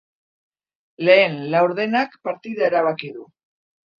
Lehen laurdenak partida erabaki du.